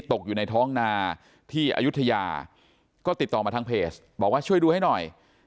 ตกอยู่ในท้องนาที่อายุทยาก็ติดต่อมาทางเพจบอกว่าช่วยดูให้หน่อย